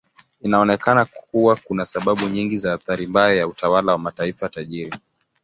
Inaonekana kuwa kuna sababu nyingi za athari mbaya ya utawala wa mataifa tajiri.